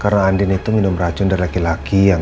karena andin itu minum racun dari laki laki